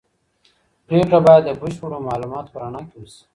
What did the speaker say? پرېکړه باید د بشپړو معلوماتو په رڼا کي وسي.